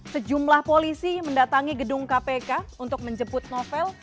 sejumlah polisi mendatangi gedung kpk untuk menjemput novel